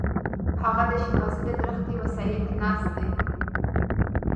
هغه د شينغزي د درختې و سايه ته ناست دی.